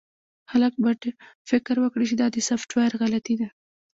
خلک به فکر وکړي چې دا د سافټویر غلطي ده